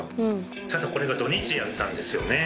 ただこれが土日やったんですよね。